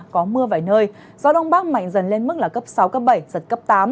có mưa vài nơi gió đông bắc mạnh dần lên mức là cấp sáu cấp bảy giật cấp tám